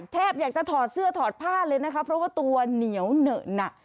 แทบอยากจะถอดเสื้อถอดผ้าเลยนะคะเพราะว่าตัวเหนียวเหนอะหนัก